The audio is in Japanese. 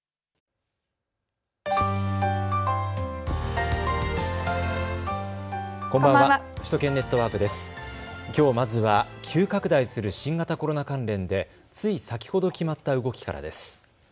きょうまずは急拡大する新型コロナ関連でつい先ほど決まった動きからです。